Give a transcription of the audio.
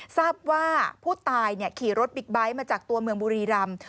ทราบว่าผู้ตายขี่รถบิ๊กไบท์มาจากตัวเมืองบุรีรำ